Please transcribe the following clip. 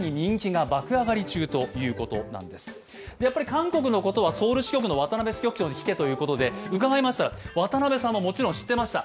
韓国のことはソウル支局の渡辺支局長に聞けということで伺いましたら渡辺さんももちろん知っていました。